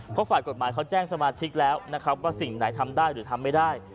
เพราะฝ่ายกฎหมายเขาแจ้งสมาชิกแล้วนะครับว่าสิ่งไหนทำได้หรือทำไม่ได้